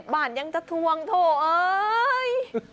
บ้านยังจะทวงโถ่เอ้ย